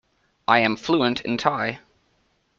I am fluent in Thai.